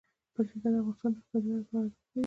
پکتیکا د افغانستان د اقتصادي ودې لپاره ارزښت لري.